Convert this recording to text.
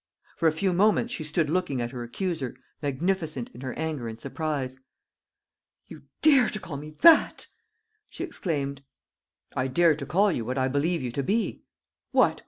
For a few moments she stood looking at her accuser, magnificent in her anger and surprise. "You dare to call me that!" she exclaimed. "I dare to call you what I believe you to be. What!